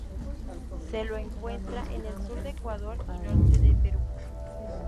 Se lo encuentra en el sur de Ecuador y norte de Perú.